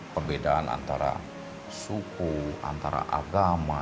perbedaan antara suku antara agama